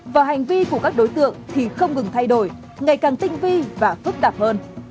và hành vi của các đối tượng thì không ngừng thay đổi ngày càng tinh vi và phức tạp hơn